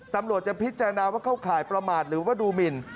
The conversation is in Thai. ตำรวจจะพิจารณาว่าเข้าข่ายประมาทหรือว่าดูหมิน